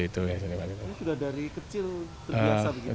ini sudah dari kecil terbiasa begini